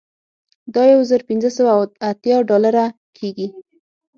دا یو زر پنځه سوه اوه اتیا ډالره کیږي